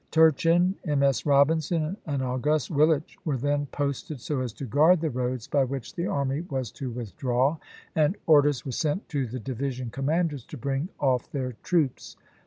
Turchin, M. S. Robinson, and August Willich were then posted so as to guard the roads by which the army was to withdraw, and orders were sent to the division commanders to bring off their troops.